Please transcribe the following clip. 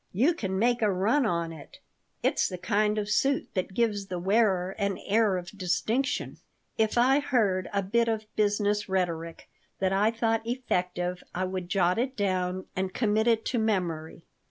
"You can make a run on it. It's the kind of suit that gives the wearer an air of distinction." If I heard a bit of business rhetoric that I thought effective I would jot it down and commit it to memory.